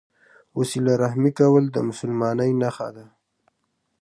وسیله رحمي کول د مسلمانۍ نښه ده.